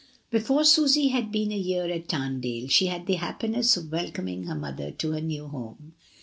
Before Susy had been a year at Tamdale she had the happiness of welcoming her mother to her new home.